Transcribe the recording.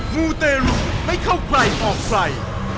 มูเตรุไม่เข้าใกล้ออกไฟ